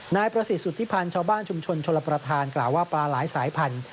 นายประสิทธิสุธิพันธ์ชาวบ้านชุมชนชลประธานกล่าวว่าปลาหลายสายพันธุ